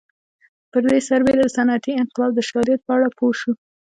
پر دې سربېره د صنعتي انقلاب د شالید په اړه پوه شو